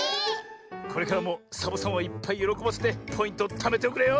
これからもサボさんをいっぱいよろこばせてポイントをためておくれよ。